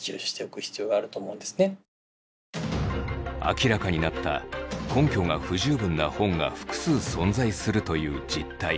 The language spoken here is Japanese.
明らかになった「根拠が不十分な本が複数存在する」という実態。